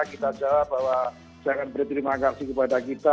kita jawab bahwa jangan berterima kasih kepada kita